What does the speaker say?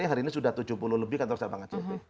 hari ini sudah tujuh puluh lebih kantor sabang acp